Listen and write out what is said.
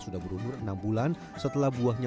sudah berumur enam bulan setelah buahnya